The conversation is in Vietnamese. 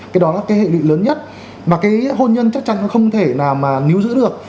cái đó là cái hệ lụy lớn nhất mà cái hôn nhân chắc chắn nó không thể nào mà níu giữ được